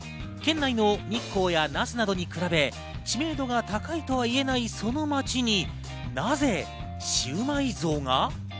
県内の日光や那須などに比べ、知名度が高いとは言えないその街に、なぜシウマイ像が？